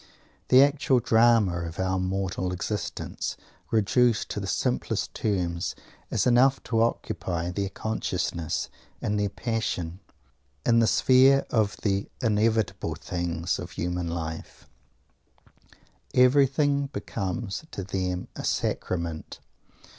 The actual drama of our mortal existence, reduced to the simplest terms, is enough to occupy their consciousness and their passion. In this sphere in the sphere of the "inevitable things" of human life everything becomes to them a sacrament.